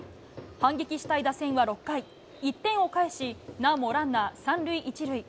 反撃したい打線は６回、１点を返し、なおもランナー３塁１塁。